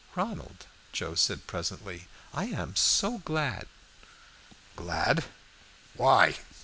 "Ronald," Joe said presently, "I am so glad." "Glad? Why?